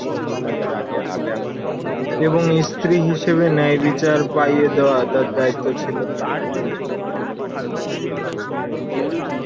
এবং স্ত্রী হিসেবে ন্যায়বিচার পাইয়ে দেওয়া তার দায়িত্ব ছিল।